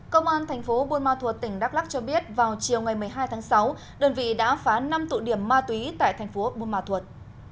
công an thành phố buôn ma thuột tỉnh đắk lắc cho biết vào chiều ngày một mươi hai tháng sáu đơn vị đã phá năm tụ điểm ma túy tại thành phố buôn ma thuột